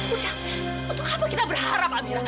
ucap untuk apa kita berharap amira